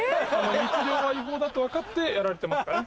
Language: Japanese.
密漁は違法だと分かってやられてますかね？